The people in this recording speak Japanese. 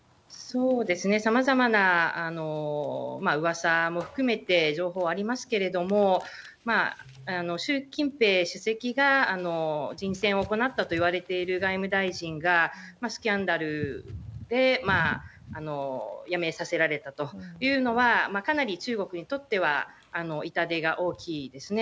さまざまなうわさも含めて、情報ありますけれども、習近平主席が人選を行ったといわれている外務大臣がスキャンダルで辞めさせられたというのは、かなり中国にとっては痛手が大きいですね。